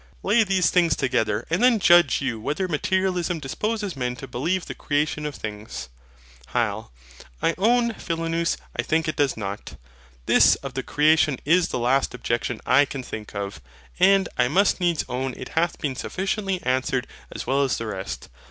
Lay these things together, and then judge you whether Materialism disposes men to believe the creation of things. HYL. I own, Philonous, I think it does not. This of the CREATION is the last objection I can think of; and I must needs own it hath been sufficiently answered as well as the rest.